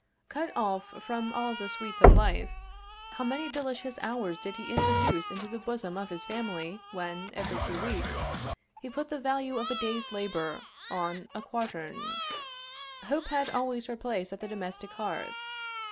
Cut off from all the sweets of life, how many delicious hours did he introduce into the bosom of his family when, every two weeks, he put the value of a day's labor on a quatern. Hope had always her place at the domestic hearth.